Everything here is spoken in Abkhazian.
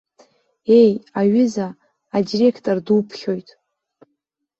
Еи, аҩыза, адиреқтор дуԥхьоит!